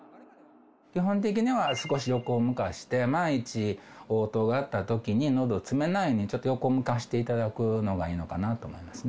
基本的には少し横むかして、万一おう吐があったときに、のど詰めないように、ちょっと横むかしていただくのがいいのかなと思いますね。